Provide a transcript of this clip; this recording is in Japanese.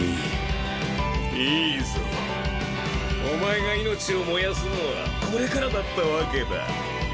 お前が命を燃やすのはこれからだったわけだ。